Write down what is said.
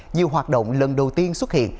nhiều hoạt động lần đầu tiên xuất hiện